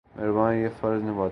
مہربان یہ فرض نبھاتے۔